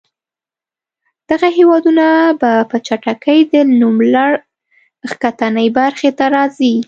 دغه هېوادونه به په چټکۍ د نوملړ ښکتنۍ برخې ته راځي.